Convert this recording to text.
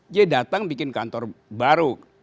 dia datang bikin kantor baru